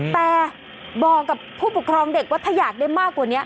แต่บอกกับผู้ปกครองเด็กว่าถ้าอยากได้มากกว่านี้